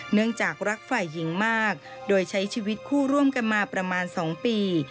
เนื่องจากรักฝ่ายหญิงมากโดยใช้ชีวิตคู่ร่วมกันมาประมาณ๒ปี